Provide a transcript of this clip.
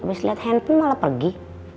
habis liat handphone malah pergi